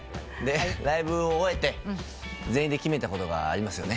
ライブを終えて全員で決めたことがありますよね？